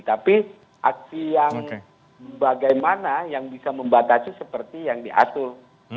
tapi aksi yang bagaimana yang bisa membatasi seperti yang diatur